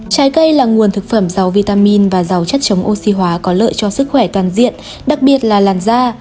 trái cây là nguồn thực phẩm dầu vitamin và giàu chất chống oxy hóa có lợi cho sức khỏe toàn diện đặc biệt là làn da